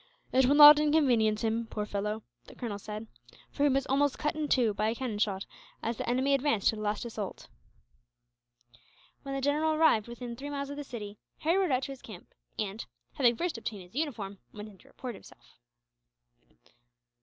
"It will not inconvenience him, poor fellow," the colonel said, "for he was almost cut in two, by a cannon shot, as the enemy advanced to the last assault." When the general arrived within three miles of the city, Harry rode out to his camp and, having first obtained his uniform, went in to report himself.